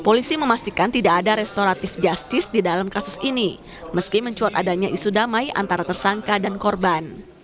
polisi memastikan tidak ada restoratif justice di dalam kasus ini meski mencuat adanya isu damai antara tersangka dan korban